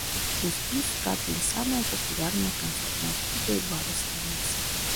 У спіс трапілі самыя папулярныя канцэртныя клубы і бары сталіцы.